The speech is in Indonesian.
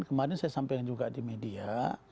kemarin saya sampaikan juga di media